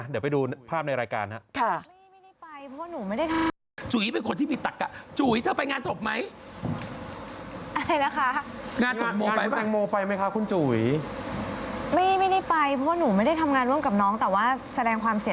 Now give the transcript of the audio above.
เดี๋ยวไปดูภาพในรายการครับ